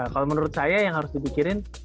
kalau menurut saya yang harus dipikirin